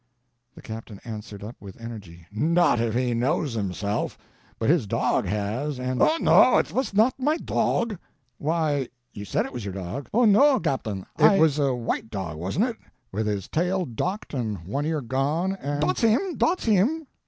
The captain answered up with energy: "Not if he knows himself! But his dog has, and—" "Oh, no, it vas not my dog." "Why, you said it was your dog." "Oh, no, gaptain, I—" "It was a white dog, wasn't it, with his tail docked, and one ear gone, and—" "Dot's him, dot's him!